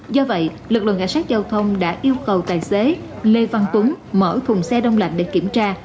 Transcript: do vậy lực lượng cảnh sát giao thông đã yêu cầu tài xế lê văn tuấn mở thùng xe đông lạnh để kiểm tra